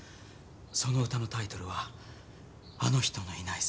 その歌のタイトルは『あの人のいない世界』。